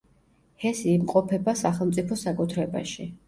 ჰესი იმყოფება სახელმწიფო საკუთრებაში.